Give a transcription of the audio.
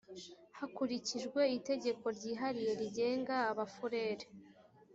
hakurikijwe itegeko ryihariye rigenga abafurere